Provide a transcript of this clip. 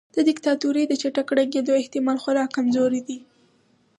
د دیکتاتورۍ د چټک ړنګیدو احتمال خورا کمزوری دی.